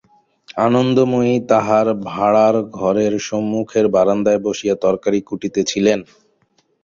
আনন্দময়ী তাঁহার ভাঁড়ার-ঘরের সম্মুখের বারান্দায় বসিয়া তরকারি কুটিতেছিলেন।